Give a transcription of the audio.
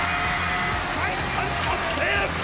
３冠達成！